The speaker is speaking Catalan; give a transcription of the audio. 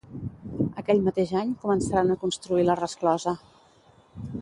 Aquell mateix any començaren a construir la resclosa.